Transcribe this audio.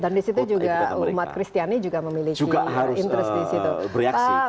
dan disitu juga umat kristiani juga memiliki interest disitu